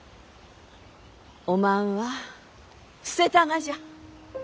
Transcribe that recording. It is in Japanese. おまんは捨てたがじゃ。